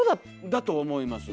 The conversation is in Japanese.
だと思います。